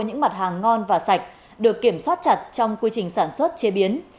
những mặt hàng ngon và sạch được kiểm soát chặt trong quy trình sản xuất chế biến